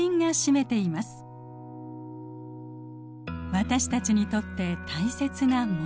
私たちにとって大切な森。